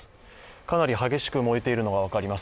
かなり激しく燃えているのが分かります。